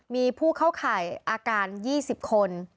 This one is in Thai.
มีผู้เข้าข่ายอาการ๒๐คน